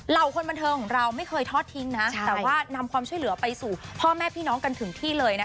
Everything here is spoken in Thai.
คนบันเทิงของเราไม่เคยทอดทิ้งนะแต่ว่านำความช่วยเหลือไปสู่พ่อแม่พี่น้องกันถึงที่เลยนะคะ